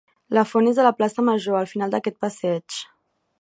La font és a la plaça Major, al final d'aquest passeig.